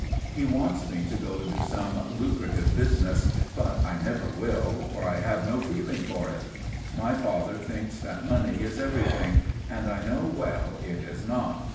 He wants me to go into some lucrative business, but I never will, for I have no feeling for it. My father thinks that money is everything, and I know well it is not.